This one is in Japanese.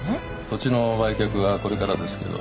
土地の売却はこれからですけど。